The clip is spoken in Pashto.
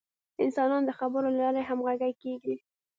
انسانان د خبرو له لارې همغږي کېږي.